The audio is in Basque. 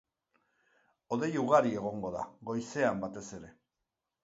Hodei ugari egongo da, goizean batez ere.